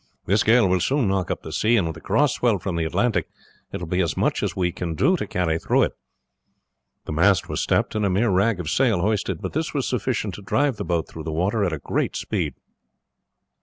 This gale will soon knock up the sea, and with the cross swell from the Atlantic it will be as much as we can do to carry through it." The mast was stepped and a mere rag of sail hoisted, but this was sufficient to drive the boat through the water at a great speed.